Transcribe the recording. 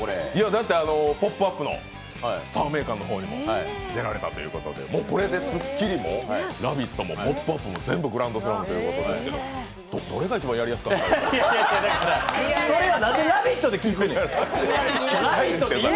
だって「ポップＵＰ！」の「スター名鑑」にも出られてもうこれで「スッキリ！！」も「ラヴィット！」も「ポップＵＰ！」も全部グランドスラムということですが、どれが一番やりやすかったですか？